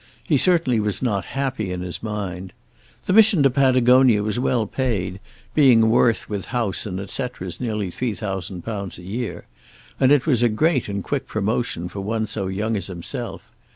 He certainly was not happy in his mind. The mission to Patagonia was well paid, being worth with house and etceteras nearly £3000 a year; and it was great and quick promotion for one so young as himself.